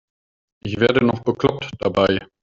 Ich werde noch bekloppt dabei.